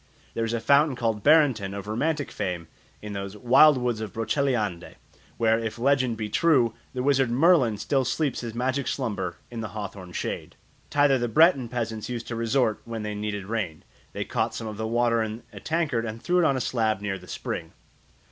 There is a fountain called Barenton, of romantic fame, in those "wild woods of Broceliande," where, if legend be true, the wizard Merlin still sleeps his magic slumber in the hawthorn shade. Thither the Breton peasants used to resort when they needed rain. They caught some of the water in a tankard and threw it on a slab near the spring.